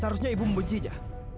seharusnya ibu mencintai dia